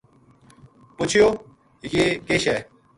پچھیو یہ کے شے